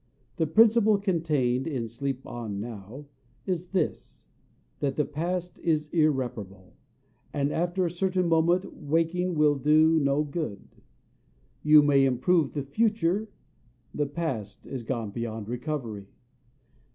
The principle contained in "Sleep on now" is this, that the past is irreparable, and after a certain moment waking will do no good. You may improve the future, the past is gone beyond recovery.